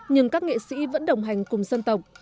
nhưng các nghệ sĩ vẫn đồng hành cùng dân tộc